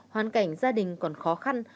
hoàn cảnh gia đình còn khó khăn